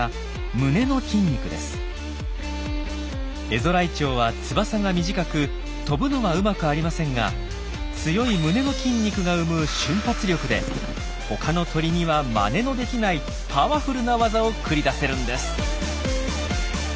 エゾライチョウは翼が短く飛ぶのはうまくありませんが強い胸の筋肉が生む瞬発力で他の鳥にはまねのできないパワフルな技を繰り出せるんです。